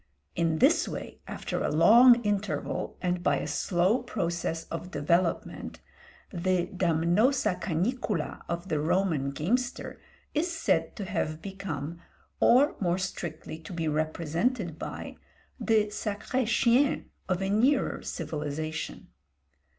In this way, after a long interval and by a slow process of development, the damnosa canicula of the Roman gamester is said to have become, or more strictly to be represented by, the sacré chien of a nearer civilisation.